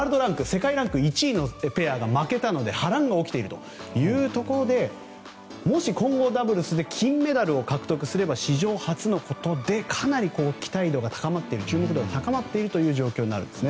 世界ランク１位のペアが負けたので波乱が起きているというところでもし混合ダブルスで金メダルを獲得すれば史上初のことでかなり期待度が高まっている注目度が高まっているという状況になるんです。